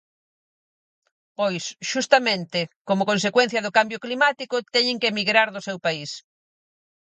Pois, xustamente, como consecuencia do cambio climático, teñen que emigrar do seu país.